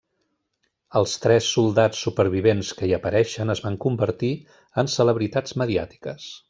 Els tres soldats supervivents que hi apareixen es van convertir en celebritats mediàtiques.